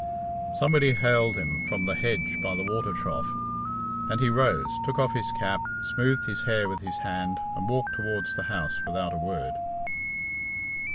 Somebody hailed him from the hedge by the water trough, and he rose, took off his cap, smoothed his hair with his hand, and walked towards the house without a word.